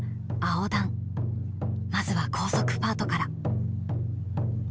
まずは高速パートから。